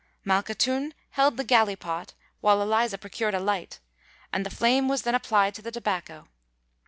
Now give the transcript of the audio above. Malkhatoun held the galley pot, while Eliza procured a light; and the flame was then applied to the tobacco.